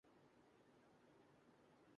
اسی کی گود میں پلی اور بڑی ہوئی۔